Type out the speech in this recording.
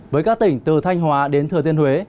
với các tỉnh từ thanh hóa đến thừa thiên huế